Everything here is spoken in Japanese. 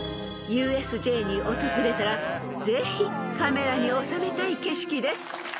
［ＵＳＪに訪れたらぜひカメラに収めたい景色です］